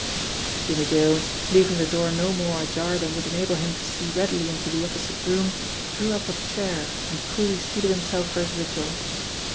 Jimmie Dale, leaving the door no more ajar than would enable him to see readily into the opposite room, drew up a chair and coolly seated himself for his vigil.